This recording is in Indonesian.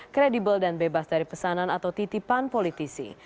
kredibel dan bebas dari pesanan atau titipan politisi